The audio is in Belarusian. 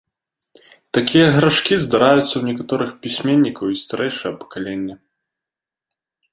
Такія грашкі здараюцца ў некаторых пісьменнікаў і старэйшага пакалення.